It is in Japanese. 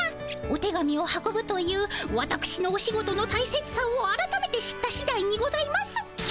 お手紙を運ぶというわたくしのお仕事の大切さをあらためて知った次第にございます。